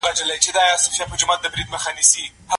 باید د هوسا ژوند لپاره اسانتیاوې برابرې سي.